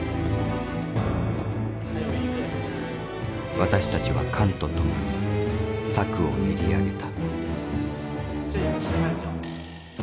私たちは韓と共に策を練り上げた。